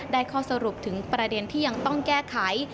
ข้อสรุปถึงประเด็นที่ยังต้องแก้ไข